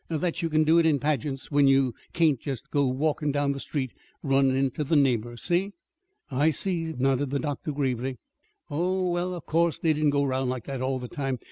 That you can do it in pageants when you can't just walkin' along the street, runnin' into the neighbors'. See?" "I see," nodded the doctor gravely. "Oh, well, of course they didn't go 'round like that all the time.